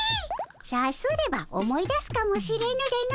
さすれば思い出すかもしれぬでの。